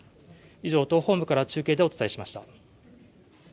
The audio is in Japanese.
以上、党本部から中継でお伝えしました。